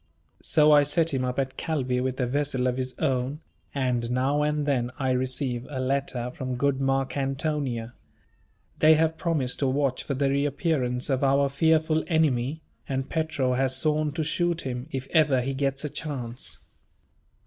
So I set him up at Calvi with a vessel of his own, and now and then I receive a letter from good Marcantonia. They have promised to watch for the reappearance of our fearful enemy; and Petro has sworn to shoot him, if ever he gets a chance.